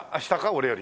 俺より。